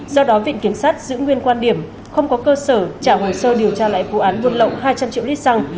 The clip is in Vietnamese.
do đó viện kiểm sát giữ nguyên quan điểm không có cơ sở trả hồ sơ điều tra lại vụ án buôn lậu hai trăm linh triệu lít xăng